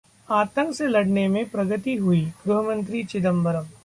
आतंक से लड़ने में प्रगति हुईः गृहमंत्री चिदंबरम